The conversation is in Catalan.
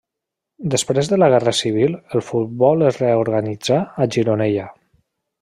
Després de la Guerra Civil el futbol es reorganitzà a Gironella.